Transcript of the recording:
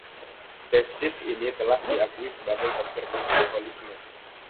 Tesis ini telah diakui sebagai konfirmasi holisme.